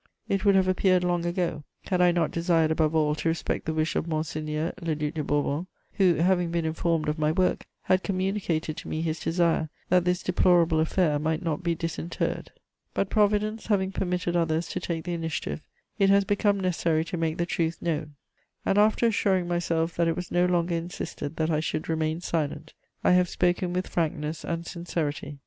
"It would have appeared long ago, had I not desired above all to respect the wish of Monseigneur le Duc de Bourbon, who, having been informed of my work, had communicated to me his desire that this deplorable affair might not be disinterred. "But Providence having permitted others to take the initiative, it has become necessary to make the truth known, and after assuring myself that it was no longer insisted that I should remain silent, I have spoken with frankness and sincerity.